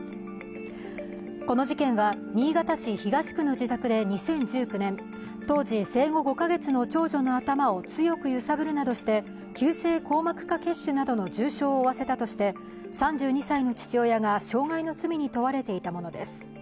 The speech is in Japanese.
この事件は新潟市東区の自宅で２０１９年、当時、生後５カ月の長女の頭を強く揺さぶるなどして急性硬膜下血腫などの重傷を負わせたとして３２歳の父親が傷害の罪に問われていたものです。